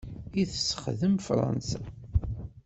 I tessexdem Fransa.